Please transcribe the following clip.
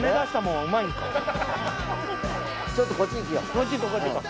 ちょっとこっちに行こう。